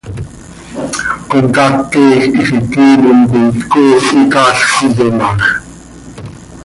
Comcaac queeej hizi quiinim coi tcooo icaalx iyomaaj.